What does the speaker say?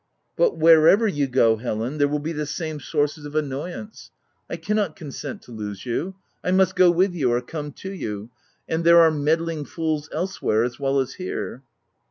" But wherever you go, Helen, there will be the same sources of annoyance. I cannot con sent to lose you : I must go with you, or come to you ; and there are meddling fools else where, as well as here."